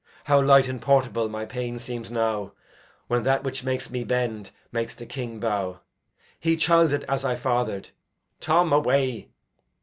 How light and portable my pain seems now, When that which makes me bend makes the King bow, He childed as I fathered! Tom, away!